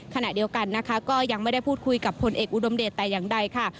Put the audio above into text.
ขณะเดียวกันนะคะก็ยังไม่ได้พูดคุยกับพลเอกอุดมเดชแต่อย่างใดค่ะ